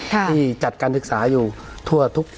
ที่จัดการศึกษาอยู่ทั่วทุก